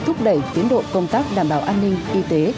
thúc đẩy tiến độ công tác đảm bảo an ninh y tế